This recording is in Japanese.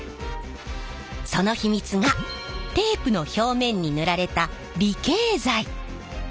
その秘密がテープの表面に塗られた離型剤。